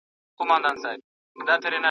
ځه چي ځو تر اسمانونو ځه چي پی کو دا مزلونه `